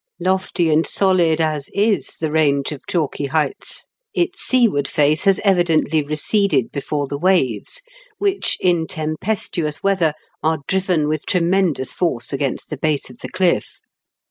Lofty and solid as is the range of chalky heights, its seaward face has evidently receded before the waves, which, in tempestuous weather, are driven with tremendous force against the base of the cliff.